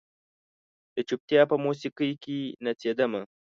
د چوپتیا په موسیقۍ کې نڅیدمه